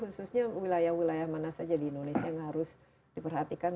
khususnya wilayah wilayah mana saja di indonesia yang harus diperhatikan